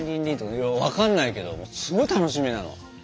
分かんないけどすごい楽しみなの。